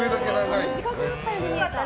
短くなったように見えた。